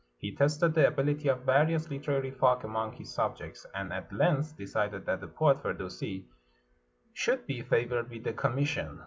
He tested the ability of various "literary folk" among his subjects, and at length decided that the poet Firdusi should be favored with the commission.